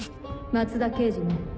松田刑事ね。